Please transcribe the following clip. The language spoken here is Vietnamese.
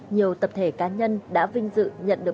nhiều tập thể cá nhân đã vinh dự